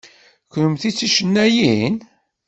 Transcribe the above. Kennemti d ticennayin?